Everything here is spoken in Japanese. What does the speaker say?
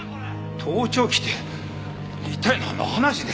盗聴器って一体なんの話です？